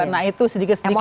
nah itu sedikit sedikit